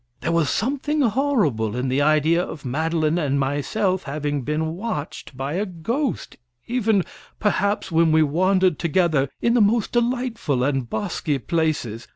There was something horrible in the idea of Madeline and myself having been watched by a ghost, even, perhaps, when we wandered together in the most delightful and bosky places.